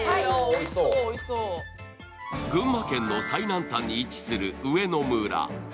群馬県の最南端に位置する上野村。